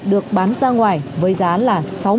được bán ra ngoài với giá là